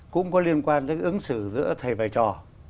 cũng có liên quan đến ứng xử giữa thầy vài trò